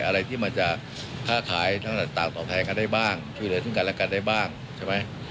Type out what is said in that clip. อะไรที่มันจะค้าขายทั้งต่างตอบแทนกันได้บ้างช่วยเหลือซึ่งกันและกันได้บ้างใช่ไหม